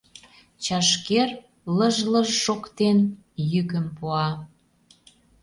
Чашкер, лыж-лыж шоктен, йӱкым пуа.